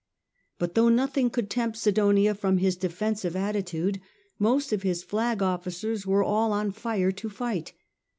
But though nothing could tempt Sidonia from his defensive attitude, most of his flag officers were all on fire to fight.